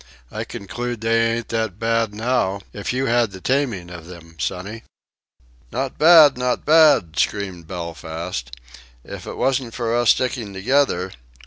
I concloode they ain't that bad now, if you had the taming of them, sonny." "Not bad! Not bad!" screamed Belfast. "If it wasn't for us sticking together....